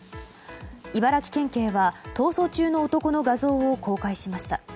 茨城県警は、逃走中の男の画像を公開しました。